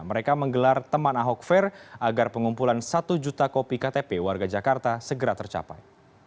mereka menggelar teman ahok fair agar pengumpulan satu juta kopi ktp warga jakarta segera tercapai